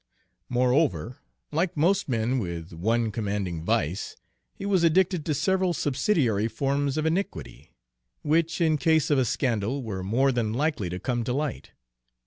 Moreover, like most men with one commanding vice, he was addicted to several subsidiary forms of iniquity, which in case of a scandal were more than likely to come to light.